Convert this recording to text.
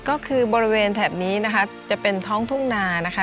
ก็คือบริเวณแถบนี้นะคะจะเป็นท้องทุ่งนานะคะ